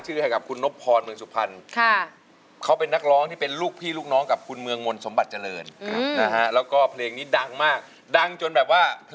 เทคที่๒หมูราคา๑เมือนบาทนะครับ